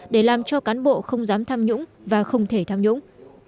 để làm cho cán bộ không dám tham nhũng và không thể tham nhũng